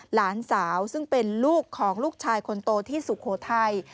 หลานสาวซึ่งเป็นลูกของลูกชายคนโตที่สุโขทัย